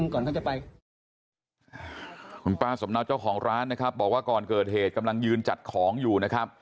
คุณป้าสำนาช่องของร้านบอกว่าก่อนเกิดเหตุกำลังยืนจัดของอยู่